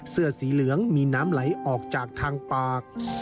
เสื้อสีเหลืองมีน้ำไหลออกจากทางปาก